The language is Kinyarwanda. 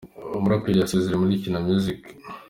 Umuraperi yasezeye muri Kina umuziki